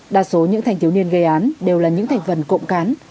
đa số những thanh thiếu niên gây án đều là những thành phần cộng cán